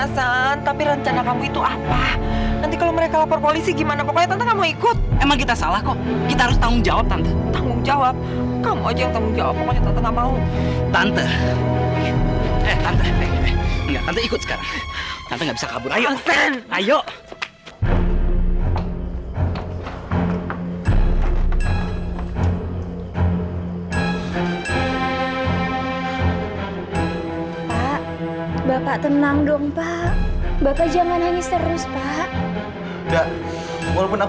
sampai jumpa di video selanjutnya